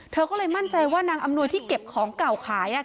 เธอก็เลยมั่นใจว่านางอำนวยที่เก็บของเก่าขาย